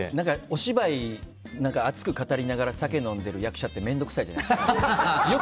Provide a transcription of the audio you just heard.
お芝居を熱く語りながら酒飲んでる役者って面倒くさいじゃないですか。